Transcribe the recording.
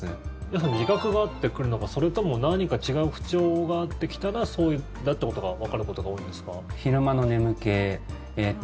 要するに自覚があって来るのかそれとも何か違う不調があって来たらそうだってことがわかることが多いんですか？